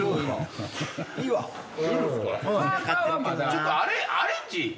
ちょっとアレンジ。